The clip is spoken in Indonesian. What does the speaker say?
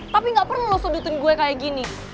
tapi gak perlu loh sudutin gue kayak gini